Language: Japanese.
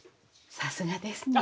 さすがですね。